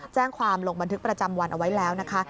แจ้งความลงบันทึกประจำวันเอาไว้แล้วนะคะ